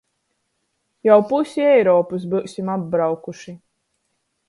Jau pusi Eiropys byusim apbraukuši!